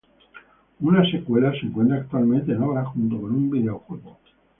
Una secuela se encuentra actualmente en obra, junto con un videojuego.